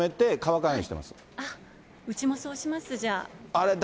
あっ、うちもそうします、じゃあ。